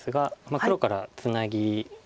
黒からツナギ。